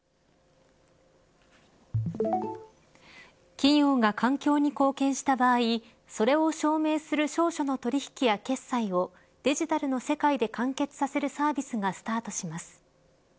企業が環境に貢献した場合それを証明する証書の取引や決済をデジタルの世界で完結させるサービスがスタートします。